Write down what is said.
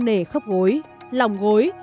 sưng nề khắp gối lỏng gối